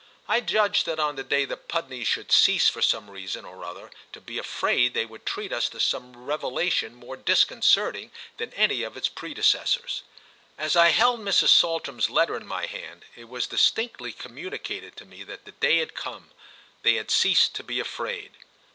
I judged that on the day the Pudneys should cease for some reason or other to be afraid they would treat us to some revelation more disconcerting than any of its predecessors. As I held Mrs. Saltram's letter in my hand it was distinctly communicated to me that the day had come—they had ceased to be afraid.